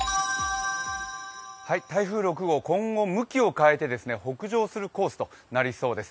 台風６号、今後向きを変えて北上するコースとなりそうです。